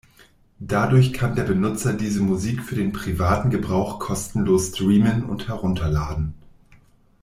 Dadurch kann der Benutzer diese Musik für den privaten Gebrauch kostenlos streamen und herunterladen.